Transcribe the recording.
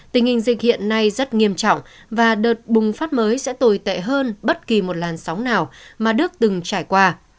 tình hình dịch hiện nay rất nghiêm trọng và đợt bùng phát mới sẽ tồi tệ hơn bất kỳ một làn sóng nào mà đức từng trải qua